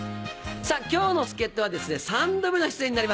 さぁ今日の助っ人は３度目の出演になります。